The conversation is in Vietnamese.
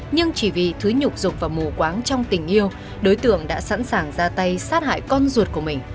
nhưng chỉ vì thứ nhục rục và mù quáng trong tình yêu đối tượng đã sẵn sàng ra tay sát hại con ruột của mình